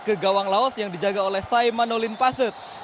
ke gawang laos yang dijaga oleh saiman olimpaset